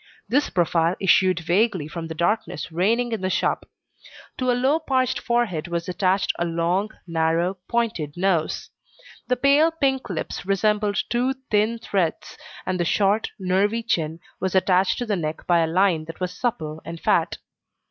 This profile issued vaguely from the darkness reigning in the shop. To a low parched forehead was attached a long, narrow, pointed nose; the pale pink lips resembled two thin threads, and the short, nervy chin was attached to the neck by a line that was supple and fat.